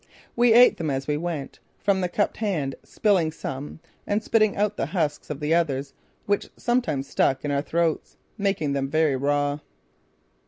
We ate them as we went, from the cupped hand, spilling some and spitting out the husks of the others which sometimes stuck in our throats, making them very raw.